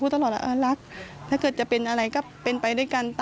พี่สาวบอกแบบนั้นหลังจากนั้นเลยเตือนน้องตลอดว่าอย่าเข้าใกล้ในพงษ์นะ